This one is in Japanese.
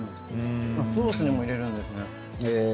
ソースにも入れるんですね。